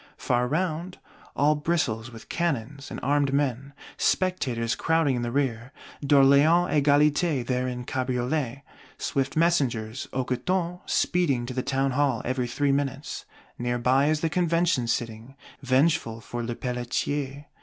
Far round, all bristles with cannons and armed men: spectators crowding in the rear; D'Orléans Égalité there in cabriolet. Swift messengers, hoquetons, speed to the Town hall, every three minutes: near by is the Convention sitting, vengeful for Lepelletier.